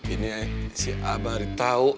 ini si abari tau